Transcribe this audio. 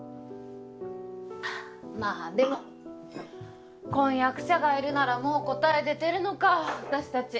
まあでも婚約者がいるならもう答え出てるのか私たち。